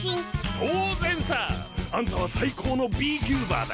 当然さあんたは最高のＢ・キューバーだ。